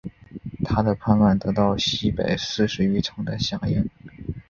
他的叛乱得到西北四十余城的响应。